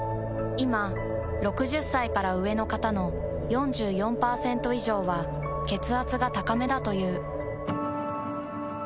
いま６０歳から上の方の４４％以上は血圧が高めだという。